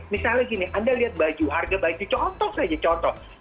misalnya gini anda lihat baju harga baju contoh saja contoh